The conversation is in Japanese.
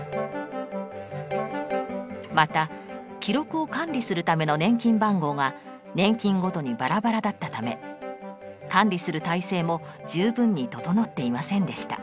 また記録を管理するための年金番号が年金ごとにバラバラだったため管理する体制も十分に整っていませんでした。